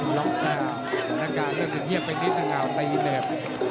หล่อตานาการเงียบไปทิศนาวไตรเดพ